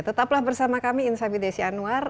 tetaplah bersama kami insafi desi anwar